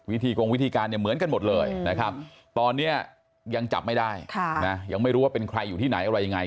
กงวิธีการเนี่ยเหมือนกันหมดเลยนะครับตอนนี้ยังจับไม่ได้ยังไม่รู้ว่าเป็นใครอยู่ที่ไหนอะไรยังไง